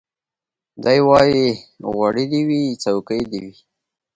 دی وايي غوړي دي وي څوکۍ دي وي